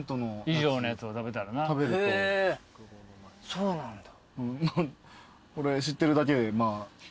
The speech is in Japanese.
そうなんだ。